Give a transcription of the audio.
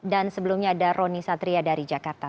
dan sebelumnya ada roni satria dari jakarta